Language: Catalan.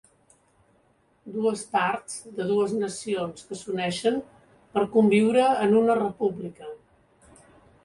Dues parts de dues nacions que s’uneixen per conviure en una república